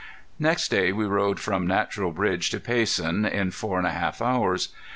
Next day we rode from Natural Bridge to Payson in four and a half hours.